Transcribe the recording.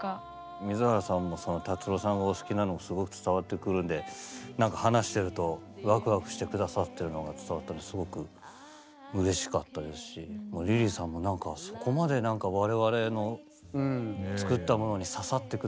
水原さんも達郎さんをお好きなのすごく伝わってくるんでなんか話してるとワクワクして下さってるのが伝わったりすごくうれしかったですしリリーさんもなんかそこまで我々の作ったものに刺さって下さっているのが。